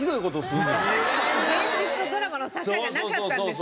現実とドラマの境がなかったんですね